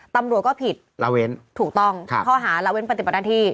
ตำรวจก็ผิดถูกต้องเพราะหาระเว้นปฏิบันหน้าที่